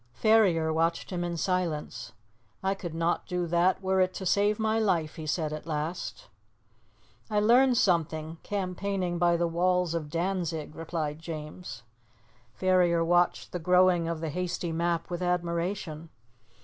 Ferrier watched him in silence. "I could not do that were it to save my life," he said at last. "I learned something, campaigning by the walls of Dantzig," replied James. Ferrier watched the growing of the hasty map with admiration.